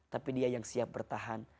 tapi dia yang siap bertahan